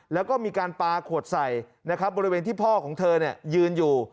แล้วก็มีการปลาขวดใส่นะครับบริเวณที่พ่อของเธอยืนอยู่